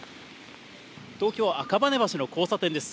東京・赤羽橋の交差点です。